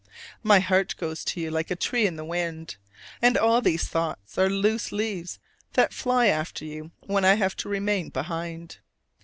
My heart goes to you like a tree in the wind, and all these thoughts are loose leaves that fly after you when I have to remain behind.